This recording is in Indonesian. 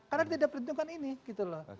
karena dia tidak pertimbangkan ini